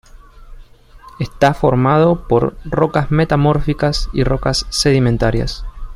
Está formado por rocas metamórficas y rocas sedimentarias.